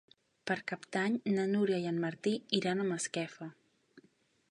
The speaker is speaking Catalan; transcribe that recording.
Per Cap d'Any na Núria i en Martí iran a Masquefa.